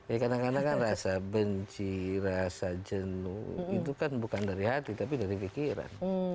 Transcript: ya kadang kadang kan rasa benci rasa jenuh itu kan bukan dari hati tapi dari pikiran